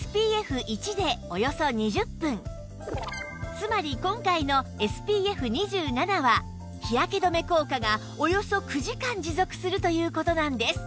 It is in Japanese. つまり今回の ＳＰＦ２７ は日焼け止め効果がおよそ９時間持続するという事なんです